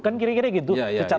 kan kira kira gitu